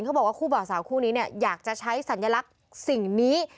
เขาบอกว่าคู่บ่าวสาวคู่นี้เนี่ยอยากจะใช้สัญลักษณ์สิ่งนี้